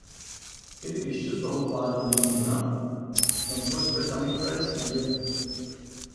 Ele vestiu sua roupa árabe de linho branco? comprou especialmente para este dia.